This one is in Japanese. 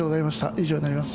以上になります。